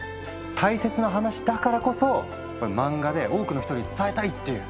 大切な話だからこそ漫画で多くの人に伝えたいっていう。